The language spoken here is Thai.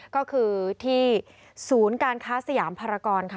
ก็คือที่สูญการคาสยามพรกรค่ะ